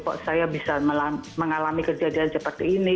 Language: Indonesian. kok saya bisa mengalami kejadian seperti ini